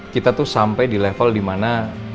kita tuh sampai di level dimana